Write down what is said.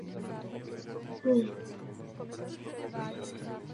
Potíže s obranou leteckého prostoru Švýcarska naznačuje už malá rozloha státu.